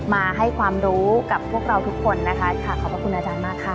มาให้ความรู้กับพวกเราทุกคนนะคะค่ะขอบพระคุณอาจารย์มากค่ะ